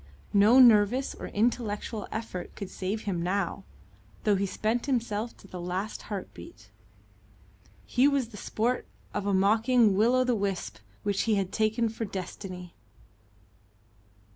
No nervous or intellectual effort could save him now, though he spent himself to the last heartbeat. He was the sport of a mocking Will o' the Wisp which he had taken for Destiny.